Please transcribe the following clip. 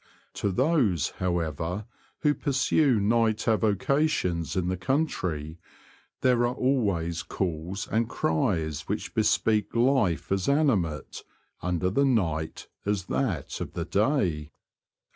To those, however, who pursue night avocations in the country, there are always calls and cries which bespeak life as animate under the night as that of the day.